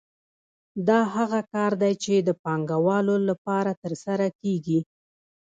دا هغه کار دی چې د پانګوالو لپاره ترسره کېږي